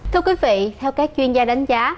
thưa quý vị theo các chuyên gia đánh giá